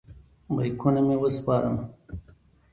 بیکونه مې وسپارم.